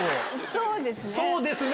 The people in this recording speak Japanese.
そうですね。